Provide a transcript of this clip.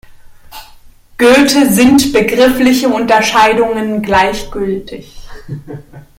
Goethe sind begriffliche Unterscheidungen gleichgültig.